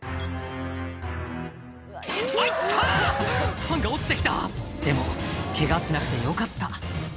ファンが落ちて来た」でもケガしなくてよかった